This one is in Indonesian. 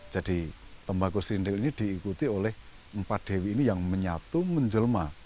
jadi tembakau serintil ini diikuti oleh empat dewi ini yang menyatu menjelma